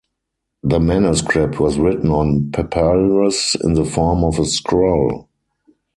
The manuscript was written on papyrus in the form of a scroll.